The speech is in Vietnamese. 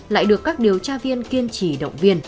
lại được các điều tra viên kiên trì động viên